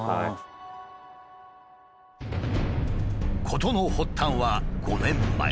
事の発端は５年前。